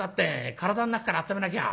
体の中からあっためなきゃ。